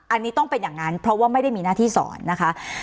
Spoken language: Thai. อันนี้ต้องเป็นอย่างนั้นเพราะว่าไม่ได้มีหน้าที่สอนนะคะ